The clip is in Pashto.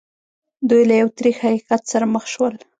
دوی له یو تریخ حقیقت سره مخ شول